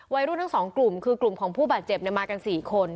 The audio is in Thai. วัยรุ่นทั้งสองกลุ่มคือกลุ่มของผู้บาดเจ็บมากันสี่คน